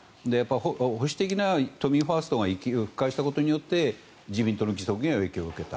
保守的な都民ファーストが息を吹き返したことによって自民党の議席が影響を受けた。